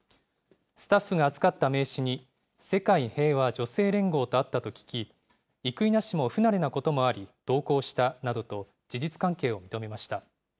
スタッフが預かった名刺に、世界平和女性連合とあったと聞き、生稲氏も不慣れなこともあり、同行したなどと事実関係を認めました。